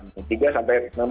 ini masih cukup lama